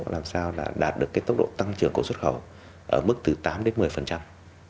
làm sao đạt được tốc độ tăng trưởng của xuất khẩu ở mức từ tám đến một mươi